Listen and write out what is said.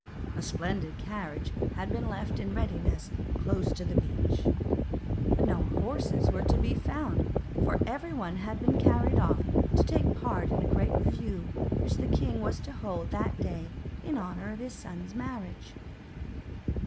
A splendid carriage had been left in readiness close to the beach, but no horses were to be found, for every one had been carried off to take part in a great review which the king was to hold that day in honour of his son's marriage.